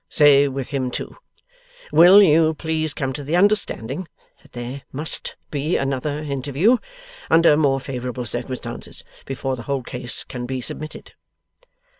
Say with him too. Will you please come to the understanding that there must be another interview under more favourable circumstances, before the whole case can be submitted?